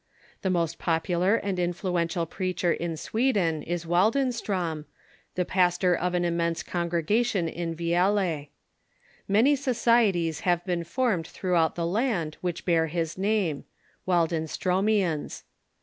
The most popular and influential preacher in Sweden is Waldenstrom, the pastor of an immense congregation in Viele. Many societies have been formed throughout the land Avhich bear his name — Waldenstromians.